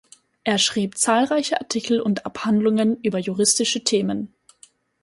Er schrieb zahlreiche Artikel und Abhandlungen über juristische Themen.